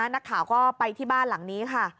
นักข่าวก็ไปที่บ้านหลังนี้ค่ะ